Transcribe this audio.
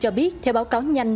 cho biết theo báo cáo nhanh